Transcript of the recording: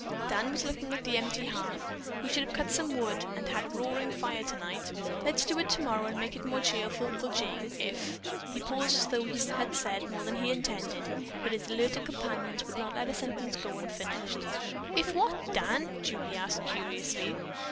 Dan was looking at the empty hearth. "We should have cut some wood and had a roaring fire tonight. Let's do it tomorrow and make it more cheerful for Jane, if " He paused as though he had said more than he had intended, but his alert companions would not let a sentence go unfinished. "If what, Dan?" Julie asked curiously.